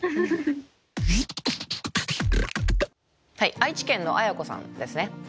愛知県のあやこさんですね。